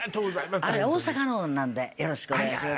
あれ大阪のなんでよろしくお願いします。